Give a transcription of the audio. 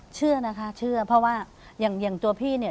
เชื่อนะคะเชื่อเพราะว่าอย่างตัวพี่เนี่ย